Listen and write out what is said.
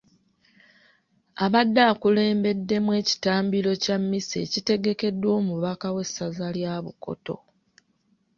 Abadde akulembeddemu ekitambiro kya Mmisa ekitegekeddwa omubaka w’essaza lya Bukoto .